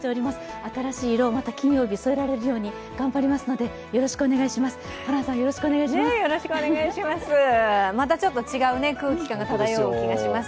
新しい色をまた金曜日添えられるように頑張りますのでよろしくお願いします。